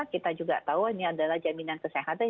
kita juga tahu ini adalah jaminan kesehatan